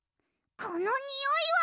このにおいは！